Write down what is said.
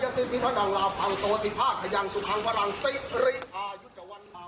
ชายสิทธิธนังลาภังโตธิภาคขยังสุขังพลังสิริอายุจวรรณา